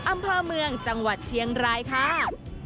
อำเภอเมืองจังหวัดเชียงรายค่ะ